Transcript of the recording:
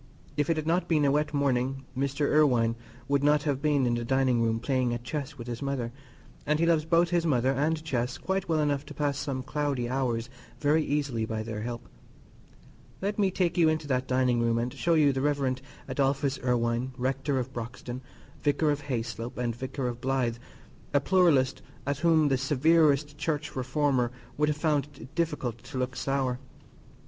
If it had not been a wet morning, Mr. Irwine would not have been in the dining room playing at chess with his mother, and he loves both his mother and chess quite well enough to pass some cloudy hours very easily by their help. Let me take you into that dining room and show you the Rev. Adolphus Irwine, Rector of Broxton, Vicar of Hayslope, and Vicar of Blythe, a pluralist at whom the severest Church reformer would have found it difficult to look sour.